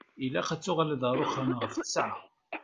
Ilaq ad d-tuɣaleḍ ɣer uxxam ɣef ttesεa.